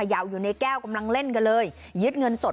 หลบ